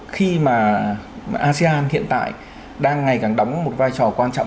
khi mà asean hiện tại đang ngày càng đóng một vai trò quan trọng